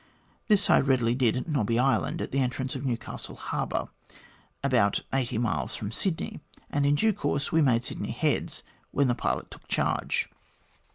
This I readily did at Nobby Island, at the entrance of Newcastle Harbour, about eighty miles from Sydney, and in due course we made Sydney Heads, when the pilot took charge.